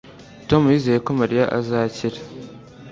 Tom yizeye ko Mariya azakira